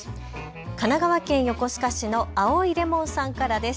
神奈川県横須賀市の青いレモンさんからです。